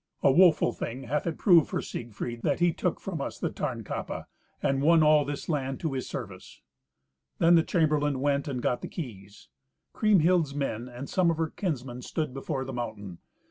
A woeful thing hath it proved for Siegfried that he took from us the Tarnkappe, and won all this land to his service." Then the chamberlain went and got the keys. Kriemhild's men and some of her kinsmen stood before the mountain.